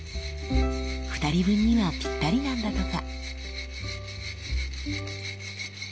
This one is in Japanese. ２人分にはぴったりなんだとか。